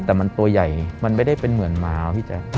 แต่มันตัวใหญ่มันไม่ได้เป็นเหมือนหมาพี่แจ๊ค